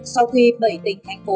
sau khi bảy tỉnh thành phố